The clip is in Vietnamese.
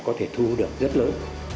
có thể thu hút được rất lớn